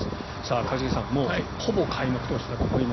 一茂さん、もうほぼ開幕投手だと思います。